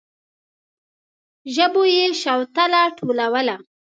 ژبو يې شوتله ټولوله.